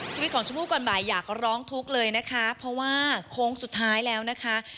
ชีวิตของชมพู่ก่อนบ่ายอยากร้องทุกข์เลยนะคะเพราะว่าโค้งสุดท้ายแล้วนะคะ